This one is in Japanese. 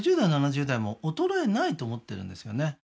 ６０代７０代も衰えないと思ってるんですよね